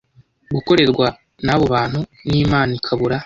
gukorerwa n’abo bantu; n’Imana ikabura